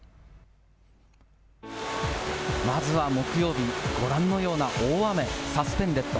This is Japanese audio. まずは木曜日、ご覧のような大雨、サスペンデッド。